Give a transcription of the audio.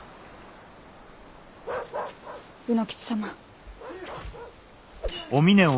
卯之吉様。